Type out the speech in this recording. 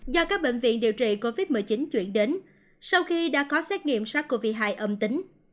do các bệnh viện điều trị covid một mươi chín chuyển đến sau khi đã có xét nghiệm sars cov hai âm tính